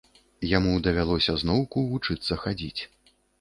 Яму давялося зноўку вучыцца хадзіць.